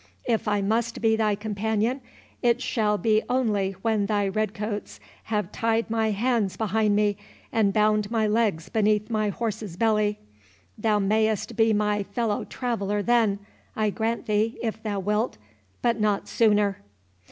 If I must be thy companion, it shall be only when thy red coats have tied my hands behind me, and bound my legs beneath my horse's belly. Thou mayst be my fellow traveller then, I grant thee, if thou wilt, but not sooner."